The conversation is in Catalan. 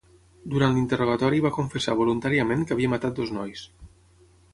Durant l'interrogatori va confessar voluntàriament que havia matat dos nois.